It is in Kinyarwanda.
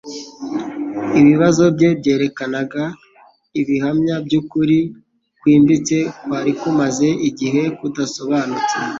Ibibazo bye byerekanaga ibihamya by'ukuri kwimbitse kwari kumaze igihe kudasobanutse